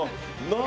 何？